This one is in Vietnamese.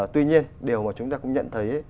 tuy nhiên điều mà chúng ta cũng nhận thấy